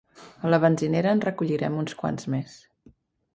A la benzinera en recollirem uns quants més